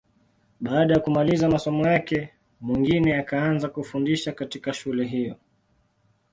Baada ya kumaliza masomo yake, Mwingine akaanza kufundisha katika shule hiyo.